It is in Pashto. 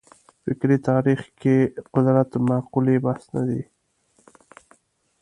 فکري تاریخ کې قدرت مقولې بحث نه دی.